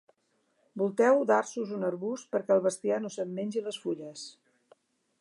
Volteu d'arços un arbust perquè el bestiar no se'n mengi les fulles.